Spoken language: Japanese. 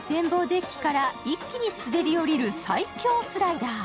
デッキから一気にすべり降りる最恐スライダー。